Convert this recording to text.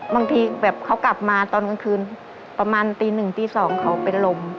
บางทีแบบเขากลับมาตอนกลางคืนประมาณตีหนึ่งตี๒เขาเป็นลม